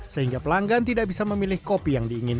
sehingga pelanggan tidak bisa memilih kopi yang diinginkan